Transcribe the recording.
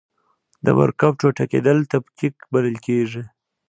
د مرکب ټوټه کیدل تفکیک بلل کیږي.